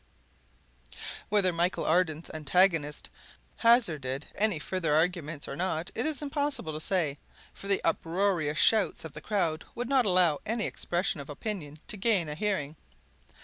'" Whether Michel Ardan's antagonist hazarded any further arguments or not it is impossible to say, for the uproarious shouts of the crowd would not allow any expression of opinion to gain a hearing.